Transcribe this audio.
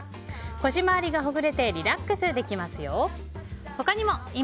腰周りがほぐれてリラックスできますよ。